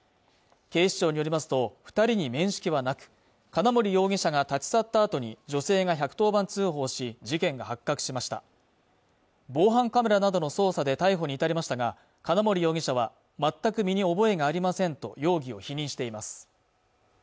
警視庁によりますと二人に面識はなく金森容疑者が立ち去ったあとに女性が１１０番通報し事件が発覚しました防犯カメラなどの捜査で逮捕に至りましたが金森容疑者は全く身に覚えがありませんと容疑を否認しています